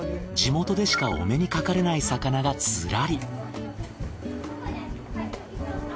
地元でしかお目にかかれない魚がズラリ。